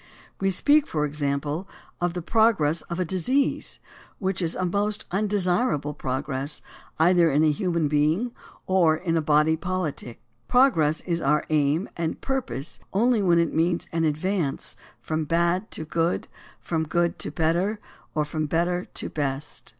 We speak, for example, of the progress of a disease, which is a most undesirable progress either in a human being or in a body poHtic. Progress is our aim and purpose only when it means an advance from bad to good, from good to better, or from better to best.